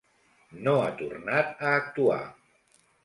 No ha tornat a actuar.